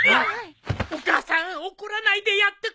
お母さん怒らないでやってくれ。